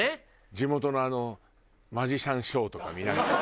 地元のあのマジシャンショーとか見ながら。